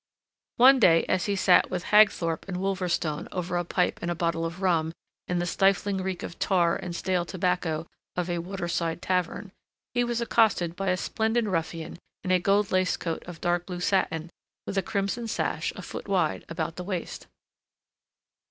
One day as he sat with Hagthorpe and Wolverstone over a pipe and a bottle of rum in the stifling reek of tar and stale tobacco of a waterside tavern, he was accosted by a splendid ruffian in a gold laced coat of dark blue satin with a crimson sash, a foot wide, about the waist.